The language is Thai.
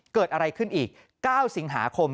เกิดอะไรขึ้นอีก๙สิงหาคม